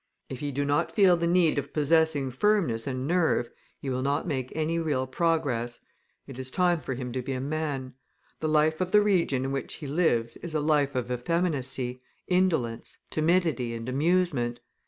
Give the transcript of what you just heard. If he do not feel the need of possessing firmness and nerve, he will not make any real progress; it is time for him to be a man. The life of the region in which he lives is a life of effeminacy, indolence, timidity, and amusement.